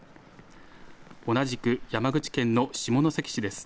同じく山口県の下関市です。